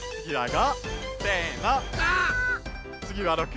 つぎは９！